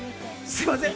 ◆すいません。